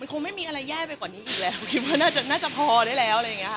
คงไม่มีอะไรแย่ไปกว่านี้อีกแล้วคิดว่าน่าจะน่าจะพอได้แล้วอะไรอย่างนี้ค่ะ